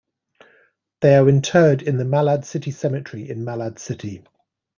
They are interred at the Malad City Cemetery in Malad City.